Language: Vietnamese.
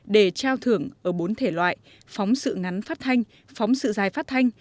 để trao thưởng ở bốn thể loại phóng sự ngắn phát thanh phóng sự dài phát thanh